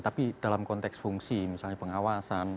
tapi dalam konteks fungsi misalnya pengawasan